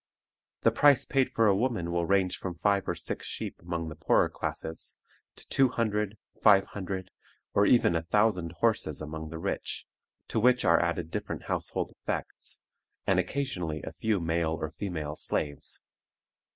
The price paid for a woman will range from five or six sheep among the poorer classes, to two hundred, five hundred, or even a thousand horses among the rich, to which are added different household effects, and occasionally a few male or female slaves.